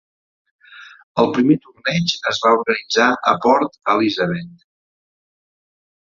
El primer torneig es va organitzar a Port Elizabeth.